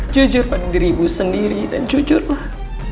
jujur pada diri ibu sendiri dan jujurlah